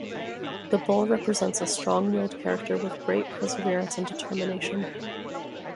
The Bull represents a strong-willed character with great perseverance and determination.